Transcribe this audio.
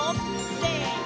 せの！